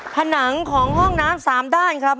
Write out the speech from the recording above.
ผนังของห้องน้ำ๓ด้านครับ